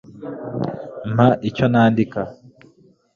Mpa icyo nandika